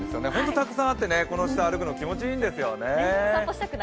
たくさんあって、この下歩くの気持ちいいんですよね。